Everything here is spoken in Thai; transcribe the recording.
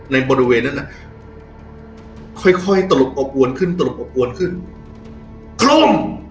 ในบริเวณนั้นน่ะค่อยค่อยตลบอบอวนขึ้นตลบอบอวนขึ้นคล่อม